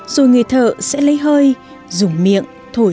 rồi người thợ sẽ lấy hơi dùng miệng thổi